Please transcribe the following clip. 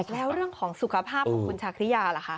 แล้วเรื่องของสุขภาพของคุณชาคริยาล่ะคะ